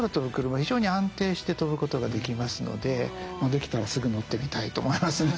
非常に安定して飛ぶことができますので出来たらすぐ乗ってみたいと思いますね。